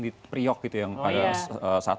di priok gitu yang pada saat